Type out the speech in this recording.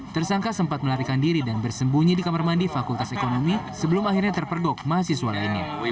tersangka sempat melarikan diri dan bersembunyi di kamar mandi fakultas ekonomi sebelum akhirnya terpergok mahasiswa lainnya